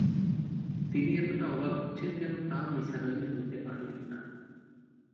তিনি এতটা অবাক হচ্ছেন কেন তাও নিসার আলি ধরতে পারলেন না।